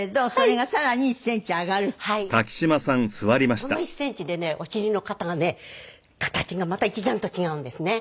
その１センチでねお尻の形がまた一段と違うんですね。